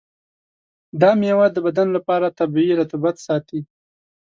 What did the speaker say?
دا میوه د بدن لپاره طبیعي رطوبت ساتي.